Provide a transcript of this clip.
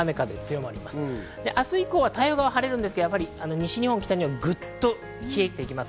明日以降、太平洋側は晴れるんですが西日本はぐっと冷えてきます。